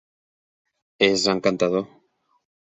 És encantador.